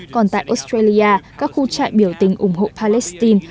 còn tại australia các khu trại biểu tình ủng hộ palestine